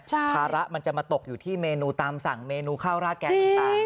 ภาระมันจะมาตกอยู่ที่เมนูตามสั่งเมนูข้าวราดแกงต่าง